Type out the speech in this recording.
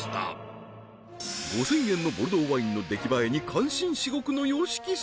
５０００円のボルドーワインの出来栄えに感心至極のＹＯＳＨＩＫＩ様